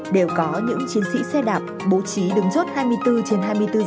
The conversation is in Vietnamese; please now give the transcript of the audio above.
đều có những chiến sĩ xe đạp bố trí đứng chốt hai mươi bốn trên hai mươi bốn giờ